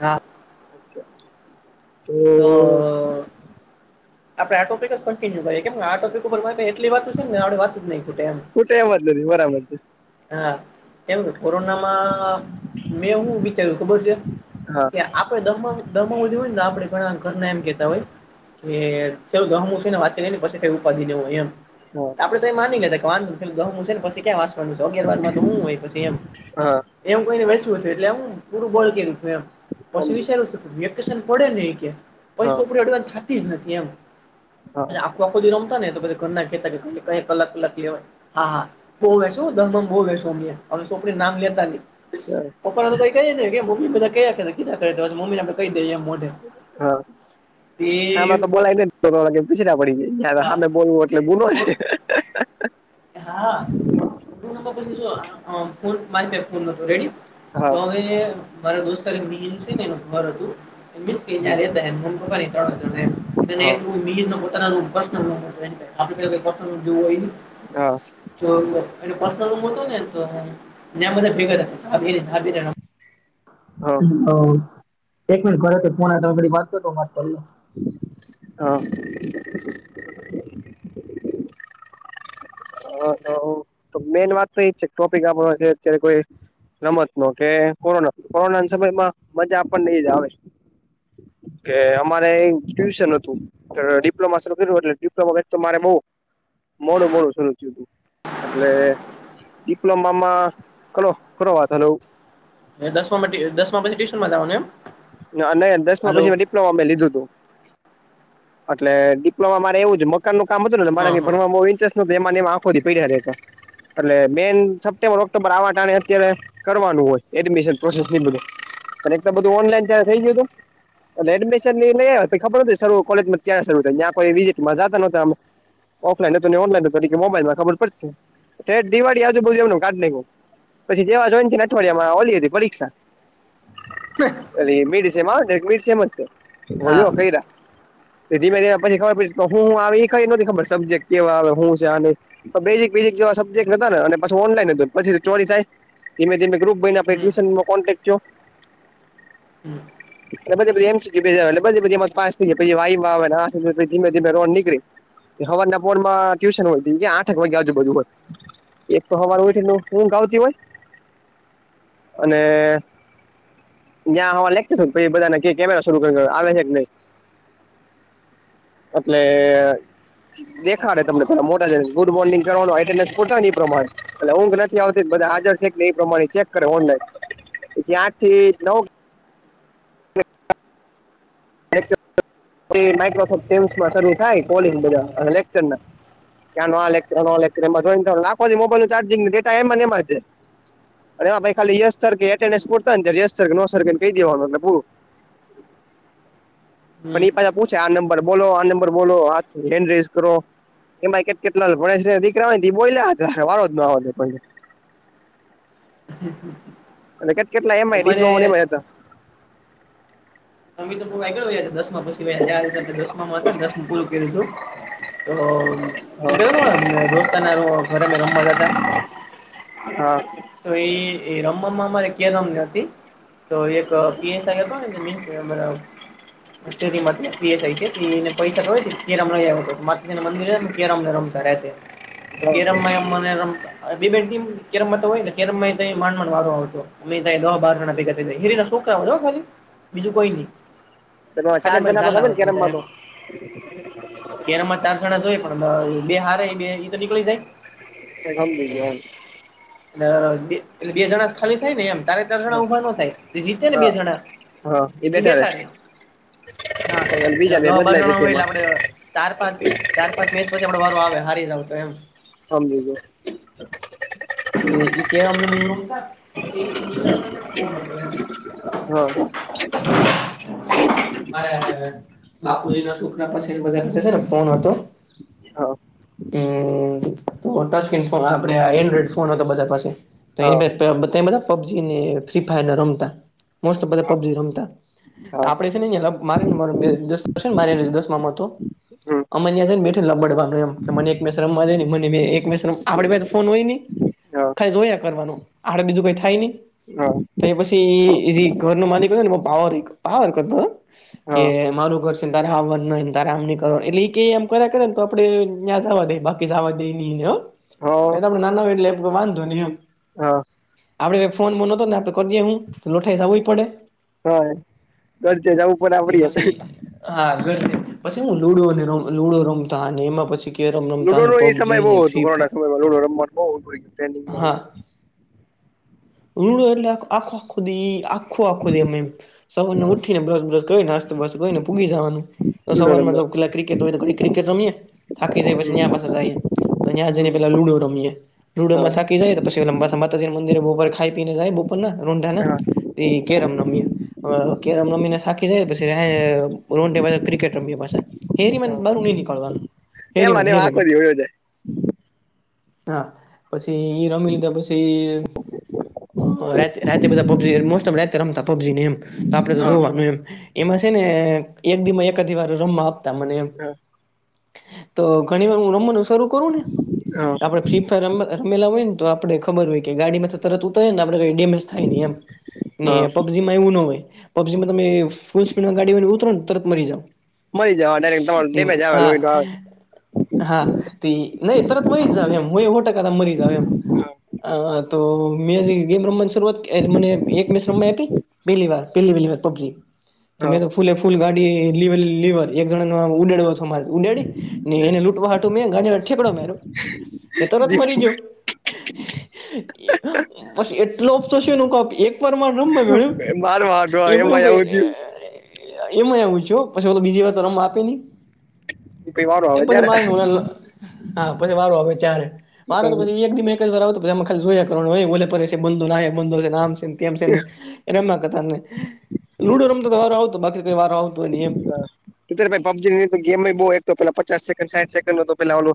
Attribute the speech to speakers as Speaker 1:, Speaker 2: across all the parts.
Speaker 1: હા તો
Speaker 2: [unintelligible]
Speaker 1: આપણે આ ટોપિક જ કન્ટિન્યુ કરીએ કેમ કે આ ટોપિક ઉપર એટલી વાતુ છેને આપણે વાતુ જ નહીં ખુટે એમ.
Speaker 2: ખુટે એમ જ નથી બરાબર છે.
Speaker 1: હા. કેમ કે કોરોનામાં મેં હું વિચાર્યું ખબર છે,
Speaker 2: હા
Speaker 1: કે આપ દમમ દમવ હોયને આપણેે ઘણાયને ઘરના એમ કેતા હોય. કે ચલ દહમું છેને વાંચી લેની પસી કાંય ઉપાધી નય હોય એમ.
Speaker 2: હા.
Speaker 1: આપડે તોય માની ગ્યાતા કે વાંધો ખાલી દહમું સે ન પસી ક્યાં વાંસવાનું અગિયાર બારમાં તો હું હોય પછી એમ.
Speaker 2: હા
Speaker 1: એમ કોઈને વાયસુ [unintelligible] એટલે હું પૂરું બોળ કર્યુંતુ એમ પછી
Speaker 2: સમજી
Speaker 1: વિસારુંતુ કે મે વેકેશન પડે ને ઈ ક્યે નહીં
Speaker 2: હા
Speaker 1: સોપડી અડવાન થાતી જ નથી એમ.
Speaker 2: હા
Speaker 1: આખો આખોદી રમતાને તો બધાય ઘરના કેતા કે કયેક કલાક કલાક લેવાય હા હા બહુ એશ તોહુ દહમામ બ‌ઉ વાયસુ અમેયે હવે સોપડીન નામ લેતા નહી. પપ્પા સામે તો ઈ કહીએ જ નય કે મમ્મીન બધા કયા કરે કીધા કરે મમ્મીને આપણ કઈ દઈએ એમ મોઢે.
Speaker 2: હા.
Speaker 1: તે
Speaker 2: હામે તો બોલાય નય ને પીછડા પડી ગઈ
Speaker 1: હા
Speaker 2: હામે બોલવું એટલે ગુનો છે
Speaker 1: [inaudible] મારી પાસે ફોન નથી રેડી
Speaker 2: હા
Speaker 1: [unintelligible] મારો દોસ્તાર એક મિલિંદ છેને એને ખબર હતું દુરથી યા લેતા હે એન મમીપપાનેય ખબર હતું એમ [unintelligible]
Speaker 2: હા
Speaker 1: એટલુ મિલિંદનો પોતાનો રૂમ પ્રશ્નલરૂમ હતો એની પાહે આપણી પાહ તો પ્રશ્નલરૂમ હોય ની
Speaker 2: હા
Speaker 1: તો એનો પર્સનલ રૂમ હતો ને તો ન્યા બધા ભેગા થાય ભાગી ભાગીને
Speaker 2: હા
Speaker 1: [unintelligible] એક મિનિટ ઘરેથી ફોન આવે તમે બધા વાત કરોતો હું વાત કરી લવ.
Speaker 2: હા [unintelligible] હ મેન વાત તો એ છે ટોપિક આપણો અત્યારે કોઈ રમતનો કે કોરોના કોરોના સમયમાં મજા પણ નહી જ આવે. કે અમારે આય એક ટ્યુશન હતું. અ ડિપ્લોમા શરૂ કયરુ એટલે ડિપ્લોમા કાઇક તો મારે બૌ મોડું મોડું શરૂ એટલે ડિપ્લોમામાં કલો કરો વાત. હલો.
Speaker 1: દસમામાં ટીઅ દસમા પછી ટ્યુશનમાં જાવાનું એમ.
Speaker 2: ને અને દસ માં
Speaker 1: હાલો
Speaker 2: પછી ડીપ ડિપ્લોમા મે લીધુંતું અટલે ડિપ્લોમા મારે એવું થ્યુ મગ મકાનનું કામ હતું ને એટલે મારે
Speaker 1: હા
Speaker 2: આગળ
Speaker 1: હા
Speaker 2: ભણવામાં ઇન્ટરસ્ટ નતો એમાં ને એમાં આખોદી પયડા રેતા એટલે બેન સપ્ટેમ્બર ઓક્ટોબર આવા ટાણે અત્યારે કરવાનું હોય એડમિશન પ્રોસેસ બધું એક બધું ઓનલાઈન થઈ જ એલે એડમિશન ય ખબર શ કોલેજમાં ક્યાં શરૂ થાય્યા વિઝિટમાં જતા નોતા ઓફલાઈન હતું ને ઓનલાઈન હતો ઈ કે મોબાઈલમાં ખબર પડશે ઠેટ દિવાળી આજુ બાજુ એમનામ કાઢ નાયખુ. પછી જેવા જોઈન થ્યાને અઠવાડિયામાં ઓલી હતી પરીક્ષા
Speaker 1: [inaudible]
Speaker 2: લીમીડ સે એમા ટે [unintelligible] સેમ જ છે હો
Speaker 1: હા
Speaker 2: લ્યો કઈરા ધીમે ધીમે પસે ખબર પયડી તો હું આવે એ કંઈ નોતી ખબર સબ્જે્ટ કેવા આવે હું છે આ તે બેઝિકબેરિક જેવા સબ્જેક્ટ હતા ને અને પછ ઓનલાઈન પછે ચોરી થાય ધીમે ધીમે ગ્રુપ મહિના પહીં
Speaker 1: હમ
Speaker 2: ટ્યુશનનો કોન્ટક થ્યો
Speaker 1: [inaudible]
Speaker 2: એટલે બધે એમ સી ક્યું બેઝ ‌આવે એટલે પછી એમાં પાસ થઈ પછી વાયવા આવે ને ધીમે ધીમે રોન નીકરી હવારના પોરમાં ટ્યુશન હોય જેમકે આઠક વાગ્યા આજુ બાજુ હોય એક તો હવાર ઊયઠીન ઊંઘ ‌આવતી હોય અને જ્યાં [unintelligible] [unintelligible] નહીં બધાને કેમેરા શરૂ કર આવે હે કે નહી એટલે દેખા ને તમને પેલા મોટા જને ગુડ મોર્નિંગ કરવાન્ ને એ પ્રમાણે એટલે ઊંઘ નથી આવતી બધા હાજર છે કેને એ પ્રમાણે ચેક કરે ઓનલાઈન પછી આઠ થી નવ. તે માઇક્રોસોફ્ટ મસમાં શરૂ થાય કોલેજ બધા અને લેકચર ના. ક્યા નોક્ટોલેક્ટ જોખો મોબાઈલું ચાર્જિંગ ડેા એમને એ જ છે. એ ખાલીોને કહી દેવાનુંું. પણ
Speaker 1: હમ
Speaker 2: એ પાછા પૂછે આ નંબર બોલો આ નંબર બોલો આ હેન્ડ રેસ કરો. એમાં કે કેટલા ભય છે દીકરા બોલ્યા વાળો જ
Speaker 1: હ
Speaker 2: અને કે કેટલા એમ ડિપ્લોમાો એ હતા.
Speaker 1: ત તો ભોગા કે દસમા પછી રીતે દસમામાં હતાને દસમુ પુરૂ કર્યું છું. તો હું કેતો દોસ્તને ઘરે મે રમવા જતા.
Speaker 2: હા
Speaker 1: તો એ રમવામાં અમારે કે રમ ન હતી તો એક [unintelligible] માંીસ છેને પૈસા તો હોય તમ મંદિર. એમ નરમતા રહે.
Speaker 2: [inaudible]
Speaker 1: તો કેરમ માં એમને કેરમમાં તો હોય ને. ત માંણ વારો આવતો અ દવા બારણા ભેગા થાય હરી શોક કરી બીજું કોઈ નહી
Speaker 2: પેલો ચાર
Speaker 1: ખાલી મારે જ
Speaker 2: જણા પણ રમે ને
Speaker 1: બધા
Speaker 2: કેરમમાં
Speaker 1: એમ.
Speaker 2: તો
Speaker 1: કેરમાં ચાર જણા જોઈએ પણ બે હાર બે એ તો નીકળી જાય.
Speaker 2: ગ બી [unintelligible]
Speaker 1: બે જણાસ ખાલી થાય ને એમ તારે ચાર
Speaker 2: એમ
Speaker 1: જણા ઉભા ન થાય જીતે ને બે
Speaker 2: હા
Speaker 1: જણા ઈ બેઠા રે. હા
Speaker 2: બીજા બે
Speaker 1: એટલેવા
Speaker 2: બદલાય
Speaker 1: બષણ
Speaker 2: પછી
Speaker 1: હોય એટલે
Speaker 2: એમાં
Speaker 1: આપડે ચાર પાંચ ચાર પાંચ મિનટ પછી આપડો વારો આવે હારી જ આવ તો એમ.
Speaker 2: અમ બીજ.
Speaker 1: કે અમને બધું રમતા પછી બધાને ફોન હતો એમ
Speaker 2: હા
Speaker 1: મારે બાપુજી ના છોકરા પાછ બધાશે ને ફોન હતો.
Speaker 2: હ [inaudible]
Speaker 1: હ તો ટચ સ્ક્રીન ફો આપે એન્ડ્રોઈડ ફોન હતો બધા પાસે. તો એની
Speaker 2: હા
Speaker 1: બધા પબજી ને ફ્રી ફાયર રમતા. મોસ્ટ ઓફ બધા પબજી રમતા
Speaker 2: હા હા
Speaker 1: આપડે રે મારે ન માર બે દસમાં હતો
Speaker 2: હમ
Speaker 1: અમન્યા છે ને બેઠને લબડવા મને એક [unintelligible] રમવા મને એકમ આપ ફોન હોય ને
Speaker 2: હા
Speaker 1: ખાલી જોયા કરવાનું આપડે બીજું કઈ થાય નહી. તો
Speaker 2: હા
Speaker 1: પછી એ ઘર નો માલિક હતો પાવર ભર કરતો કે
Speaker 2: હા હા
Speaker 1: મારું ઘર. તમ કરવા એટલે એ એમ કર કરે ને તો આપડે ત્યાં જવા દઈએ બાકી જવા દઈ નહી ને પ
Speaker 2: હા
Speaker 1: આપડે નાના હોય એટલે વાંધો નહી એમ.
Speaker 2: હા
Speaker 1: આપડે ફોનમાં નહોતો ને આપડે કરીએ હું તો લોઠાઈ સવું પડે.
Speaker 2: હય ઘરચે જવું પણ
Speaker 1: તે
Speaker 2: આપડીએ.
Speaker 1: પછી હા ઘ પછી હું લુડો ર લુડો રમતા એમાં પછી કેરમ રમતા ને પબજી અનેને ફ્રી ફાયર
Speaker 2: વલુ માટે છે.
Speaker 1: રૂડ એટલે આખો આખો દ આખો આખો દ સવારનું ઉઠીને બ્રસ-બ્રસ કરીન, નાસ્તો-બાસતો કરીને પૂગી જાવાનું. તો
Speaker 2: લુડો
Speaker 1: સવાર માં જો
Speaker 2: રમવા
Speaker 1: પેલા ક્રિકેટ હોય તો ઘડી ક્રિકેટ રમી થાકી જાય
Speaker 2: હમ
Speaker 1: પછી પાસે જઈએ. તો ત્યાં જઈને
Speaker 2: હમ
Speaker 1: પેલા લુડો રમીએ લુડો
Speaker 2: હા
Speaker 1: થાકી જાય તો પછીઅંબા માતાજી ના મંદિર બપર ખાઈ પીને જાય. ન રુંડાના
Speaker 2: હા
Speaker 1: તે કેરમ રમીયા કેરમ રમીને થાકી જાય પછી રો [unintelligible] ક્રિકેટ રમીએ પાસે હેરીમન
Speaker 2: હા
Speaker 1: બારું નહી નીકળવાનું
Speaker 2: એમાં
Speaker 1: હેરીમન
Speaker 2: ને એમાં આખો
Speaker 1: હેરીમન
Speaker 2: દી વયો જાય
Speaker 1: હા પછી હી રમી લીધા પછી રાતે બધા પબજી મોસ્ટ ઓફ રાતે રમતા પબજી ને એમ તો આપડે તો
Speaker 2: હા
Speaker 1: જોવાનું એમ એમાં છે ને એક દી એકી વાર રમવા તમને
Speaker 2: હા
Speaker 1: તો ઘણી વાર હું રમવાનું શરૂ કરું ને
Speaker 2: હા
Speaker 1: આપડે ફ્રી ફાયર રમ રમેલા હોય ને તો આપણે ખબર હોય કે ગાડીમાંથી તરતરી ને આપડે કઈ ડેમેજ થાય ન એમ ને
Speaker 2: હા
Speaker 1: પબજી માં એવું ના હોય પબજીમાં તમે ફૂલ સ્પીડમાં ગાડી હોય ને ઉતર ને તરત મરી જાવ.
Speaker 2: મરી જવા ડાયરેક્ટ તમારો
Speaker 1: તિમ
Speaker 2: ડેમેજ આવે
Speaker 1: હા
Speaker 2: લોહી નો આવે
Speaker 1: હા તે નહી તરત મરી જાવ એમ હય હો ટકા હતા મરી જાવ એમ હ તો મેં ગેમ રમવાની શરૂઆત એ મને એક મેચ રમ આપી. પિલી વાર પીલી બલી વાર પબ્જી. તો
Speaker 2: હા
Speaker 1: મેં ફૂલે ફૂલ ગાડી લ લીવર એક જણા ન ઉડાડ છો મારે ઉડાડી. ને એને લૂટવા હાટું મે ગા ઢેકડો મેરો તરત મરી ગયો બસ એટલો અફસસ ન કપ એક ઉપર રમમાં જોયુ
Speaker 2: મારો વાંધો આવે
Speaker 1: એમાં એ
Speaker 2: આવું થયું
Speaker 1: એમાં આવું છે પછી ઓ તો બીજી વાર તો રમવા આપે નહી.
Speaker 2: પહી વારો
Speaker 1: એ
Speaker 2: આવે
Speaker 1: પછી
Speaker 2: ત્યારે
Speaker 1: મારી હા પછી વારો આવે ચ્યારે વારો તો
Speaker 2: અત્યારે
Speaker 1: પછી એક દી મ એક [unintelligible] એમાં ખાલી જોયા કરવાનું ઓલા કર સ બધુ ને નામ ગેમ સેન રમા લુડો રમતો વા આવતો બાકી કઈ વારો આવતો હોય એમ
Speaker 2: [unintelligible] પબજીની ગેમ બઉ એક પેલા પચાસેકન્ સાઠ સેકડ પેલા ઓલુ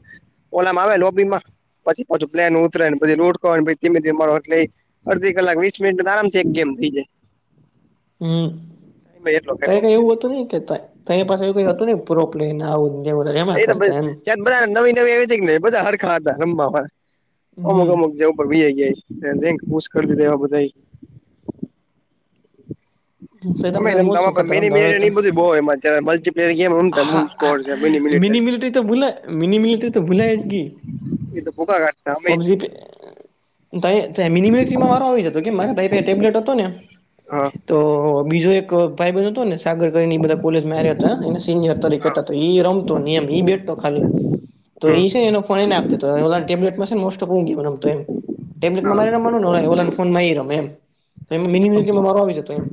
Speaker 2: ઓલામાં આવે લોબીમાં પછી પાછ પ્લેન ઉતરે પછીલુટ ધીમે ધીમે [unintelligible] અડધી કલાક વીસ મિનિટ તો આરામથી એક ગેમ થઈ જાય.
Speaker 1: હમ
Speaker 2: ટાઈમ એટલો
Speaker 1: ત
Speaker 2: થાય
Speaker 1: કઈ એવું
Speaker 2: પબજી તો
Speaker 1: હતું નઈ કે ત પાસે એ કઈ હતું નઈ પ્રૂપ્ફલેન આવું ને એવું રેમા
Speaker 2: એ તો
Speaker 1: કરતા એમ
Speaker 2: ત્યાં બધાને નવી નવી આવી કે બધા હરખા હતા રમવા વાળા અમુક
Speaker 1: હમ
Speaker 2: અમુક જેવ ઉપર ભી હ ગ છે. એક પૂસકર કરી દીધે એવા બધા એ
Speaker 1: તો પ
Speaker 2: અમે એમ
Speaker 1: મોજ શોખ
Speaker 2: તમા
Speaker 1: ખાતર
Speaker 2: મેની મે
Speaker 1: રમતા
Speaker 2: એ
Speaker 1: હવે તો
Speaker 2: બધું બહુ એમાં મલ્ટ્લેયર ગેમ રમતા બુમ્સ કોર્સ, મીલી મિનીટ
Speaker 1: મિ મિટરી તો ભૂ મિ મિલિટરી તો ભૂલા જ જ ગઈ
Speaker 2: એ તો ભૂકા ગાટના અમેય
Speaker 1: તઇ તે મીની મીલીટરી મારો આવી જતો કે મારા ભાઈ પે ટેબલેટ હતો ને
Speaker 2: હા
Speaker 1: તોઅ બીજો એક ભાઈ બન હતો ને સાગર કરીને ઈ બધા કોલેજમાં હેર્યા તા એને સિનિયર તરીકે
Speaker 2: હા
Speaker 1: તા એઈ રમતો ની એમ ઇ બેઠતો ખાલી તો એ
Speaker 2: હમ
Speaker 1: છે એને ફોને એને આપતો તો ઓલા ન ટેબ્લેટમાં મોસ્ટ પ ગયો રમતો એમ ટેબલેટમાં
Speaker 2: હા
Speaker 1: મારી રમવાનુંને ઓલાન ફોનમાં આવી રમે એમ મિરો આવી જાતો એમ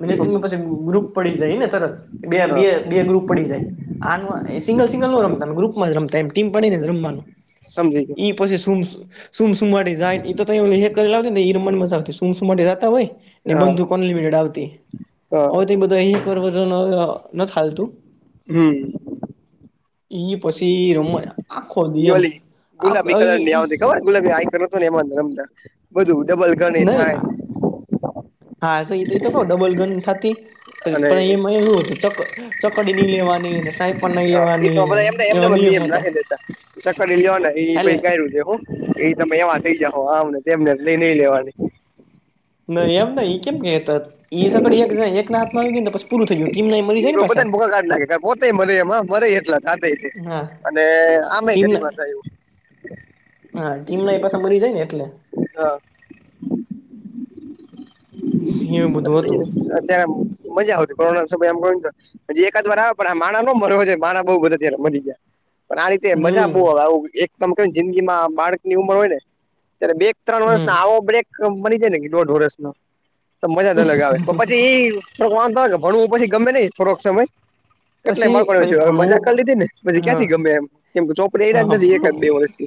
Speaker 1: મીલેટરી મ પછી ગ્રુપ પડી જાયને તરત બે
Speaker 2: હા
Speaker 1: બે ગ્રુપ પડી જાય આ સિંગલ સિંગલ નો રમતા ગ્રુપ જ રમમતા ટીમ પડીનેજ રમવાનું
Speaker 2: સમજે ગ
Speaker 1: ઈ પછી સુમ સુમ સુમાટી જાય એ તો કરેવ ને ઈ રમન મજા આવતી સુમ સુમાટી જતા હોય. ને
Speaker 2: હા
Speaker 1: બંદુક અનલિમિટેડ આવતી
Speaker 2: હા
Speaker 1: હવે બધા અ [unintelligible] ખાલતું
Speaker 2: હમ
Speaker 1: ઈ પછી રમ મજા
Speaker 2: એવાલી ગુલાબી કલરની આવ દ કવા ગુલાબી આ એમ જ રમતામ બધું ડબલ ગણી
Speaker 1: નહી
Speaker 2: થાય
Speaker 1: હા સ એ તો એ તો કહુ ડબલ ગન થાતી પછ
Speaker 2: અને
Speaker 1: પણ એમાં એવું હતું ચક ચકડી નહી લેવાની એ ને સાઈ પણ નહી લેવાની
Speaker 2: તો
Speaker 1: એ ને
Speaker 2: બધા એમને એમને
Speaker 1: એવા
Speaker 2: જ
Speaker 1: નિયમ હતા.
Speaker 2: નાખી દેતા ચકડી લેવાના
Speaker 1: એટલે
Speaker 2: એ ગાડયું છે હું એ તમે એવા થઈ જાવ આમને તેમને લઈ નઈ લેવાની
Speaker 1: નઈ એમ નય ઇ કેમ કેમ ગેતત ઇ સગળ એક જાય એક ના હાથમાં આવી ગયુને ત પસી પૂરું થય ગયું કીમનાય મરી જાય ને પાસા
Speaker 2: તા પોતેય મરે એમાં મરેય એટલા સાથેય તે
Speaker 1: હા
Speaker 2: અને આમે
Speaker 1: ટીમ
Speaker 2: ઘરીય
Speaker 1: ના
Speaker 2: માં થાયું એવું
Speaker 1: હા ટીમનાય એ પાસા મરી જાય ને એટલે
Speaker 2: હા
Speaker 1: એવું બધું હતું
Speaker 2: અત્યારે આમ મજા આવતી સમમછ એકાદ વાર આવે પણ આ માણા ન મરવા છે માણા બહુ બધા ત્યારે મરી ગયા - પણ આ રીતે મજા બઉ
Speaker 1: હમ
Speaker 2: આવે આવું એક તમે કેને જિંદગીમાં બાળકની ઉંમર હોય ને ત્યારે બેક ત્રણ વર્ષનો
Speaker 1: હમ
Speaker 2: આવો બ્રેક મની જાય ને દોઢ વર્ષ નો તો મજા જ અલગ આવે પ પછી એ થોડોક વાંધો આવે કે ભણવું પછી ગમે નય થોડોક સમય કેટલા
Speaker 1: પછી
Speaker 2: માકોણ
Speaker 1: પછી
Speaker 2: હવે મજા કરી
Speaker 1: ભણવું
Speaker 2: લીધ ને પછી
Speaker 1: હા
Speaker 2: ક્યાંથી ગમે એમ કેમ કે ચોપડી એયા જ
Speaker 1: હા
Speaker 2: નથી
Speaker 1: ભણું
Speaker 2: એકદ બે વરસ [inaudible]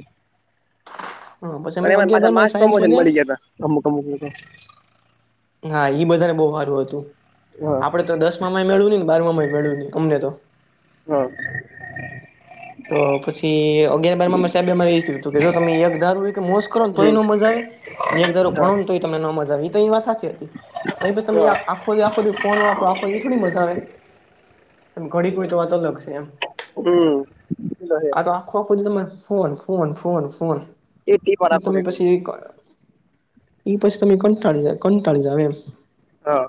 Speaker 1: હ પછી અમે અગિયાર બારમાસ
Speaker 2: પ્રમોશન મળી ગિયા તા અમુક અમુક ને ત
Speaker 1: હા ઇ બધાને બહુ હારું હતું
Speaker 2: હા
Speaker 1: આપડે તો દસ માંય મેળવું નને બારમાંમાંય મેળવું નય અમને તો
Speaker 2: હા
Speaker 1: તો પછી અગિયાર બારમાંમાં સાહેબે એ કધું હતું કે જો તમે એક ધારું કે મોશ કરો ને તોયે એ
Speaker 2: હમ
Speaker 1: ન મજા આવે ને એક દાઢો ભણો ને તોયે તમને ન મઝા એ તો ઇ વાત હાચી હતી તો એ પછી તમે
Speaker 2: હા
Speaker 1: આખો દી આખો દી ફોન વાપરો ઇ થોડી મઝા આવે ઘડી ક હોય તો વાત અલગશે એમ
Speaker 2: ઉં
Speaker 1: આ તો આખો આખો દિ તમારે ફોન ફોન ફોન ફોન
Speaker 2: એ ટીપ
Speaker 1: ઇ
Speaker 2: રાખો ને
Speaker 1: તમે
Speaker 2: એકલો
Speaker 1: પછી ઈક ઇ પછી તમે કંટાળી જા કંટાળી જાવ એમ
Speaker 2: હા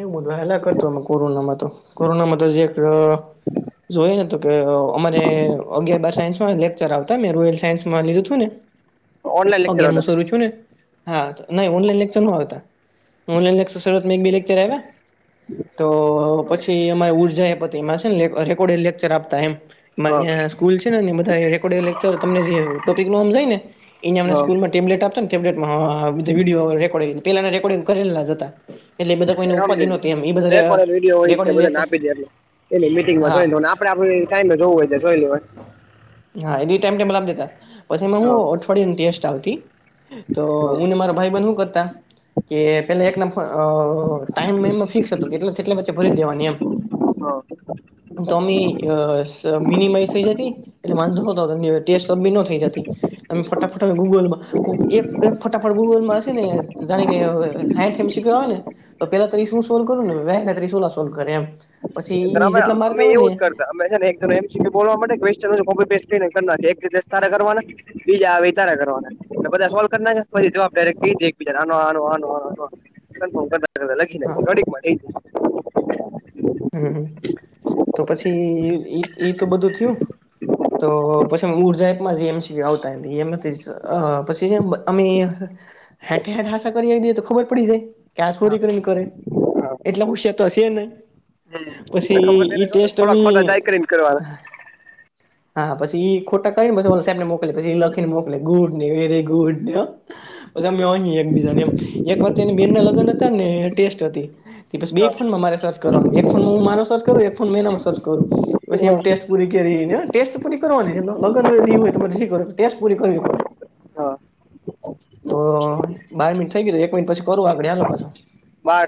Speaker 1: એ બ હેલા કરતો અમે કોરોનામાં તો કોરોનામાં તો જી એક જોઈ ને તો કે અમારે અગિયાર બાર સાયન્સમાં લેક્ચર આવતા એમ રોયલ સાયન્સ માંલીધું થું ને
Speaker 2: ઓનલાઈન લેક્ચર
Speaker 1: અગેર મુ
Speaker 2: હતા
Speaker 1: સરું થિયું ને હા તો નય ઓનલાઈન લેક્ચર ન આવતા ઓનલાન લેક્રત એક બે લેક્ચર આયવા તો પછી અમારી ઉર્જા એ પતિ માંછે ને લેકો રેકોર્ડે લેક્ચર આપતા એમ
Speaker 2: હા
Speaker 1: માંન્યા સ્કૂલ છે ને ની બધા રેકોર્ડડેડ લેચર તમને જે ટોપિક નોમ નજાય ને ઇને
Speaker 2: હા
Speaker 1: સ્કુ ટેબલેટ આપતાને ટેબલેટમાં વિડીયો રેકોર્ડંગ પેલા રેકોર્ડિંગ કરેલા જ હતા એટકલે બધા કોઈને ઉપાધિ નતી એમ
Speaker 2: રેકોડેડ વિડીયો હોય ઇ
Speaker 1: રેકોર્ડિંગ
Speaker 2: બધાને
Speaker 1: લેક્ચર
Speaker 2: આપી દે એટલે એલી મિટિંગમાં
Speaker 1: હા
Speaker 2: જોઈ દઉને આપદે આપદે ટાઈમે જોવું હોય તો જોઈ લેવય
Speaker 1: હા એડી ટાઈમ ટેબલ આપી દેતા પછી ઈમાં હું
Speaker 2: હા
Speaker 1: અઠવાડિયની ટેસ્ટ આવતી તો
Speaker 2: હા
Speaker 1: હુંને મારા ભાઈ બેન હું કરતા કે પેલા એક ના ફોન અ ટાઈમ ઈમાં ફિક્સ હતું કે એટલે એટલે વચ્ચે ભરી દેવાની એમ
Speaker 2: હ [inaudible]
Speaker 1: તો અમે અ મિનિમાઇઝ થઈ જતી એટલે વાંધો હતો ટેસ્ટ સબમિટ નો થઈ જતી તમે ફટાફટ ગૂગલમાં કોક એક એક ફટાફટ ગૂગલમાં હશે ને જાણે કે સયીઠ એમસી ક્યું આવે ને તો પેલા ત્રીસ હું સોલ્વ કરું ને વ ને ત્રીસ ઓલા સોલ્વ કરે એમ પછી ઇ
Speaker 2: અમે
Speaker 1: જેટલા માર્ક
Speaker 2: અમે
Speaker 1: આવે
Speaker 2: એવું
Speaker 1: ને
Speaker 2: [unintelligible] બીજા આવે ઇ તારે કરવાના બધા સોલ્વ કરી નાખે પસી જવાબ ડાયરેક એકર્મ કર આનો આનો
Speaker 1: હા
Speaker 2: કનફોરમ [unintelligible]
Speaker 1: હું તો પછી ઈ ઈ તો બધું થીયુ તો પછી ઉરજા એપ માંથીજ એમસી ક્યું આવતાં તાં અ પછી એમ અમે હેઠ હેઠ હસા કરી આવી દઈએ તો ખબર પડી જાય ક્યાં
Speaker 2: જાય
Speaker 1: સોરી કરીને કરે
Speaker 2: હા હા
Speaker 1: એટલે હોશિયાર તો હશે નય
Speaker 2: ઈ તો
Speaker 1: પછી
Speaker 2: ખબર નઈ
Speaker 1: ઈ
Speaker 2: ને
Speaker 1: ટેસ્ટ
Speaker 2: થોડા
Speaker 1: અમે
Speaker 2: ખોટા ટ્રાય કરીને કરવાના
Speaker 1: હા પછી એ ખોટા કરીને પછ સાહેબને મોકલી પછી એ લખીને મોકલે ગુડ ને વેરી ગુડ ને પછી અમે અહી એકબીજા નેમ એક વાર એની બેન ના લગ્ન હતાને ટેસ્ટ હતી બે ફોનમાં મારે સર્ચ કરવાનો એક ફોનમાં હું મારો સર્ચ કરું એક ફોન મે એનામાં સર્ચ કરું પછ
Speaker 2: હા
Speaker 1: એમ ટેસ્ટ પૂરી કરીને ટેસ્ટ પૂરી કરવાની લગ્ન હોય જી કરો ટેસ્ટ પૂરી કરવી પડે.
Speaker 2: હા.
Speaker 1: તો બાર મિનટ થઈ ગયું એક મિનટ પછી કરવું આગળ હાલો પાછો..
Speaker 2: બાર